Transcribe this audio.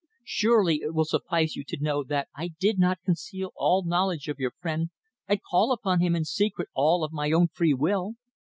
Surely it will suffice you to know that I did not conceal all knowledge of your friend and call upon him in secret all of my own free will.